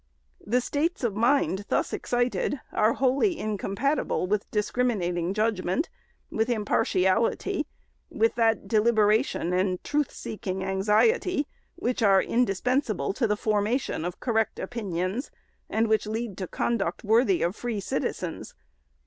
The states of mind thus excited are wholly incompatible with dis criminating judgment, with impartiality, with that delib eration and truth seeking anxiety, which are indispensable to the formation of correct opinions, and which lead to conduct worthy of free citizens.